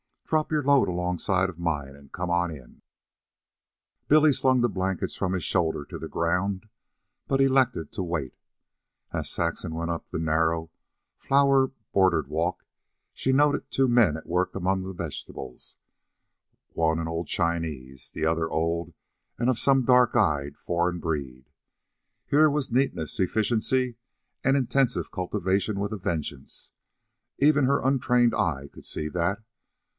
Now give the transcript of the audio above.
Drop your load alongside of mine, and come on in." Billy slung the blankets from his shoulder to the ground, but elected to wait. As Saxon went up the narrow, flower bordered walk, she noted two men at work among the vegetables one an old Chinese, the other old and of some dark eyed foreign breed. Here were neatness, efficiency, and intensive cultivation with a vengeance even her untrained eye could see that.